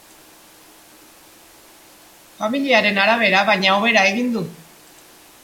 Familiaren arabera, baina hobera egin du.